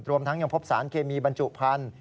รวมทั้งยังพบสารเคมีบรรจุพันธุ